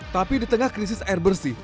tapi di tengah krisis air bersih